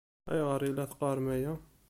Ayɣer i la teqqaṛem aya?